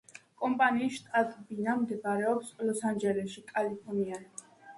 კომპანიის შტაბ-ბინა მდებარეობს ლოს-ანჯელესში, კალიფორნია.